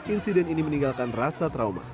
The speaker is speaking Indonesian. insiden ini meninggalkan rasa trauma